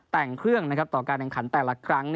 แต่งเครื่องนะครับต่อการแข่งขันแต่ละครั้ง